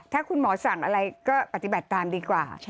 ถ้าคุณหมอสั่งอะไรก็ปฏิบัติตามดีกว่า